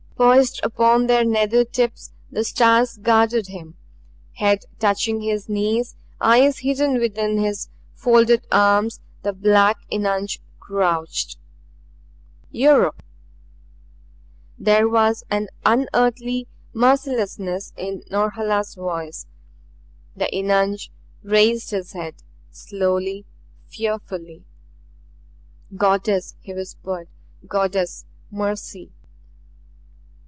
Poised upon their nether tips the stars guarded him. Head touching his knees, eyes hidden within his folded arms, the black eunuch crouched. "Yuruk!" There was an unearthly mercilessness in Norhala's voice. The eunuch raised his head; slowly, fearfully. "Goddess!" he whispered. "Goddess! Mercy!"